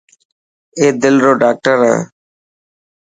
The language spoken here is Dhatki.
اي دل رو ڊاڪٽر هي.